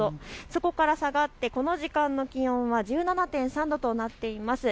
そこからこの時間の気温は下がって１７．３度となっています。